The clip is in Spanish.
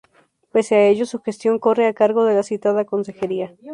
Pese a ello, su gestión corre a cargo de la citada consejería.